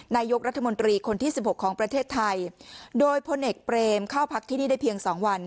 นายกรัฐมนตรีคนที่สิบหกของประเทศไทยโดยพลเอกเปรมเข้าพักที่นี่ได้เพียงสองวัน